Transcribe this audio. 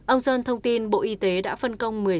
ông sơn thông tin bộ y tế đã phân công